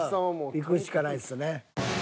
いくしかないですよね。